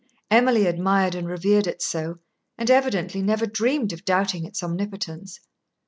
Emily admired and revered it so, and evidently never dreamed of doubting its omnipotence.